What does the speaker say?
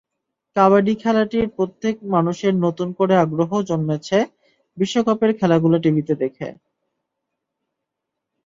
কাবাডি খেলাটির প্রত্যেক মানুষের নতুন করে আগ্রহও জন্মেছে বিশ্বকাপের খেলাগুলো টিভিতে দেখে।